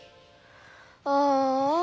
ああ。